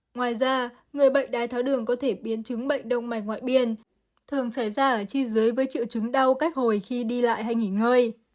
ngoài ra người bệnh đái tháo đường có thể biến chứng bệnh đông mạch ngoại biên thường xảy ra ở chi dưới với triệu chứng đau cách hồi khi đi lại hay nghỉ ngơi